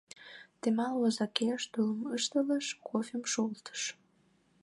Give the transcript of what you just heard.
Темал возакеш тулым ылыжтыш, кофем шолтыш.